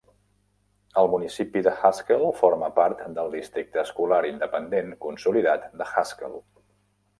El municipi de Haskell forma part del districte escolar independent consolidat de Haskell.